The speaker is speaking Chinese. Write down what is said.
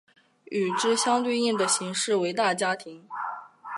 与之相对应的形式为大家庭。